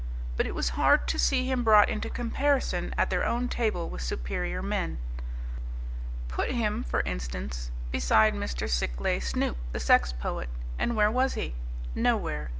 But it was hard to see him brought into comparison at their own table with superior men. Put him, for instance, beside Mr. Sikleigh Snoop, the sex poet, and where was he? Nowhere.